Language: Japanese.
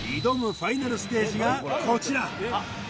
ファイナルステージがこちら